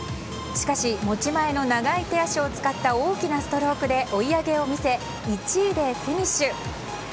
しかし持ち前の長い手足を使った大きなストロークで追い上げを見せ１位でフィニッシュ。